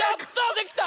できた！